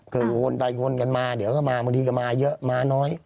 คือวนไปวนกันมาเดี๋ยวก็มาบางทีก็มาเยอะมาน้อย